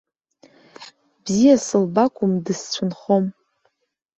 Бзиа сылба акәым, дысцәынхом.